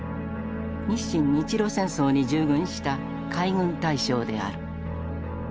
日清・日露戦争に従軍した海軍大将である。